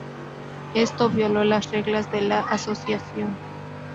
Esto violó las reglas de la Asociación.